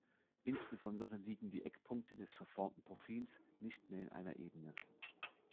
Insbesondere liegen die Eckpunkte des verformten Profils nicht mehr in einer Ebene.